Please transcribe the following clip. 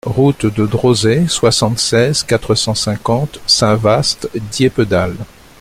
Route de Drosay, soixante-seize, quatre cent cinquante Saint-Vaast-Dieppedalle